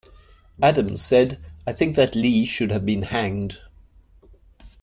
Adams said, I think that Lee should have been hanged.